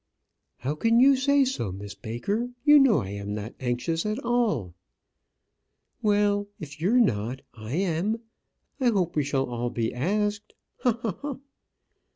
"How can you say so, Miss Baker? You know I am not anxious at all." "Well, if you're not, I am. I hope we shall be asked ha! ha! ha!"